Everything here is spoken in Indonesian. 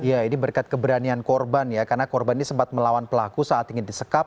ya ini berkat keberanian korban ya karena korban ini sempat melawan pelaku saat ingin disekap